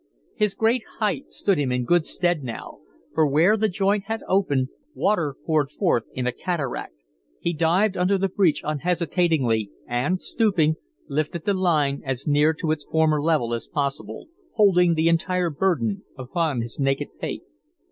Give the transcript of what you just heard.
His great height stood him in good stead now, for where the joint had opened, water poured forth in a cataract, He dived under the breach unhesitatingly and, stooping, lifted the line as near to its former level as possible, holding the entire burden upon his naked pate.